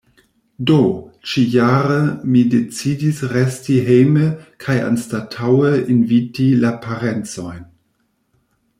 Do, ĉi-jare mi decidis resti hejme kaj anstataŭe inviti la parencojn.